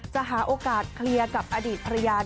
จะหาโอกาสเคลียร์กับอดีตภรรยา